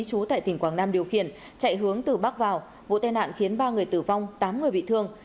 chú tại tỉnh quảng nam điều khiển chạy hướng từ bắc vào vụ tai nạn khiến ba người tử vong tám người bị thương